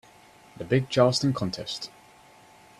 The big Charleston contest.